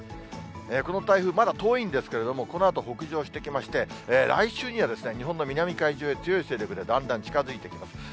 この台風、まだ遠いんですけれども、このあと北上してきまして、来週には、日本の南海上へ強い勢力でだんだん近づいてきます。